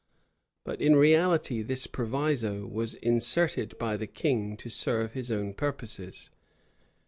But in reality this proviso was inserted by the king to serve his own purposes.